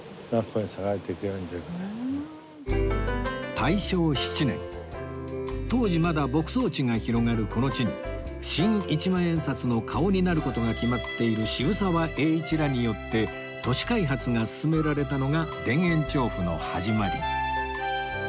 大正７年当時まだ牧草地が広がるこの地に新１万円札の顔になる事が決まっている渋沢栄一らによって都市開発が進められたのが田園調布の始まり